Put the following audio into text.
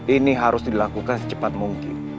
ini harus dilakukan secepat mungkin